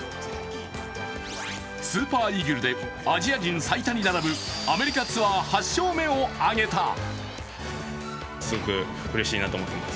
スーパーイーグルでアジア人最多に並ぶアメリカツアー８勝目を挙げた。